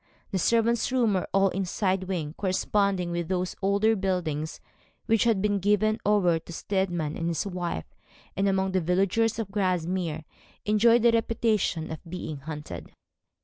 The servants' rooms were all in a side wing, corresponding with those older buildings which had been given over to Steadman and his wife, and among the villagers of Grasmere enjoyed the reputation of being haunted.